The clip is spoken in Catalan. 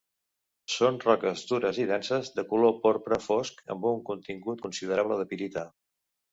Són roques dures i denses de color porpra fosc amb un contingut considerable de pirita.